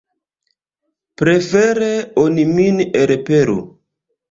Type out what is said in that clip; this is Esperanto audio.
Prefere oni min elpelu.